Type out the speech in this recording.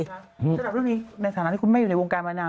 สำหรับเรื่องนี้ในฐานะที่คุณแม่อยู่ในวงการมานาน